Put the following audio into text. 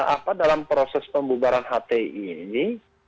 apa dalam proses pembubaran hti ini